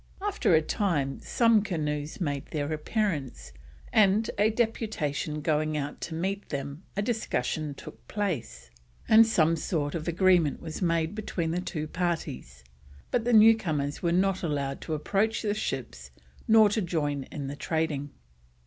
After a time some canoes made their appearance, and on a deputation going out to meet them a discussion took place, and some sort of an agreement was made between the two parties, but the newcomers were not allowed to approach the ships nor to join in the trading.